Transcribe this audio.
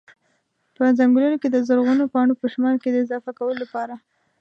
په ځنګلونو کي د زرغونو پاڼو په شمار کي د اضافه کولو لپاره